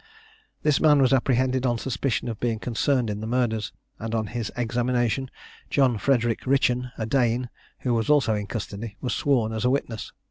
This man was apprehended on suspicion of being concerned in the murders; and on his examination, John Frederick Ritchen, a Dane, who was also in custody, was sworn as a witness.